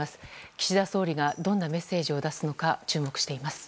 岸田総理がどんなメッセージを出すのか注目しています。